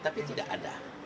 tapi tidak ada